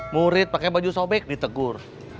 murid pakai baju sobek ditegur